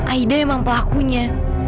aida emang pelakunya